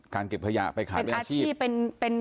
เก็บขยะไปขายเป็นอาชีพ